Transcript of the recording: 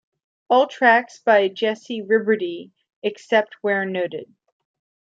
All tracks by Jessy Ribordy except where noted.